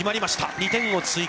２点を追加。